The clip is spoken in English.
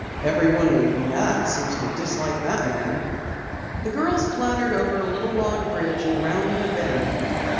"Everyone we've met seems to dislike that man." The girls clattered over a little log bridge and rounded a bend.